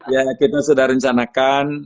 ya kita sudah rencanakan